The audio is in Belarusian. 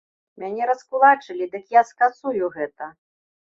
Мяне раскулачылі, дык я скасую гэта!